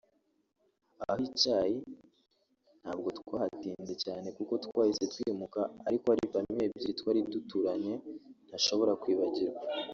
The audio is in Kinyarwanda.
Aho i Cyayi ntabwo twahatinze cyane kuko twahise twimuka ariko hari famille ebyiri twari duturanye ntashobora kwibagirwa